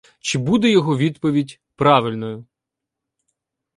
Чи буде його відповідь правильною?